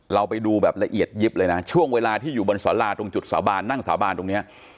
เราไปดูแบบละเอียดยิบเลยนะช่วงเวลาที่อยู่บนสาราตรงจุดสาบานนั่งสาบานตรงนี้